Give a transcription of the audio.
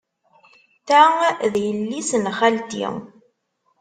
Ta d yelli-s n xalti.